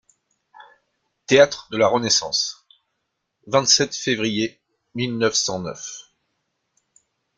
Théâtre de la Renaissance, vingt-sept février mille neuf cent neuf.